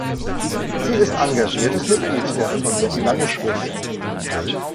Sie ist engagiertes Mitglied der reformierten Landeskirche.